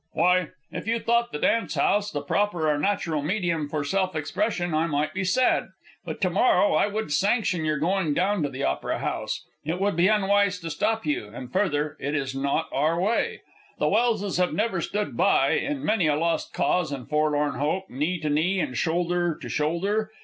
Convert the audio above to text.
"Why, if you thought the dance house the proper or natural medium for self expression, I might be sad, but to morrow I would sanction your going down to the Opera House. It would be unwise to stop you, and, further, it is not our way. The Welses have ever stood by, in many a lost cause and forlorn hope, knee to knee and shoulder to shoulder.